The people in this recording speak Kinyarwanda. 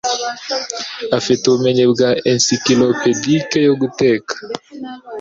Afite ubumenyi bwa ensiklopedike yo guteka.